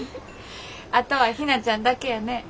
あとはひなちゃんだけやね。